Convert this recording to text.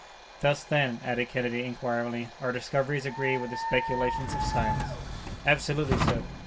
"Thus, then," added Kennedy, inquiringly, "our discoveries agree with the speculations of science." "Absolutely so.